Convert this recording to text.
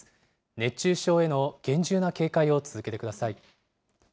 熱中症への厳重な警戒を続けてください。